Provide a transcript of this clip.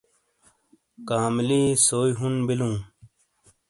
کاملی سئی ہون بلوں۔